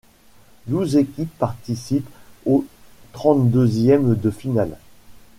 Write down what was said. Douze équipes participent aux trente-deuxièmes de finale.